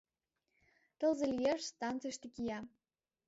Тылзе лиеш станцийыште кия.